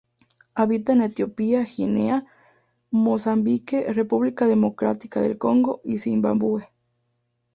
Habita en Etiopía, Guinea, Mozambique, República Democrática del Congo y Zimbabue.